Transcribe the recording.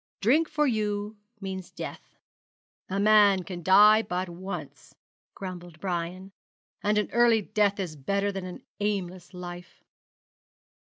Drink for you means death.' 'A man can die but once,' grumbled Brian; 'and an early death is better than an aimless life.'